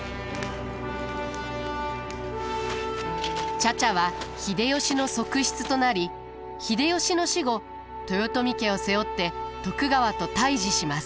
茶々は秀吉の側室となり秀吉の死後豊臣家を背負って徳川と対じします。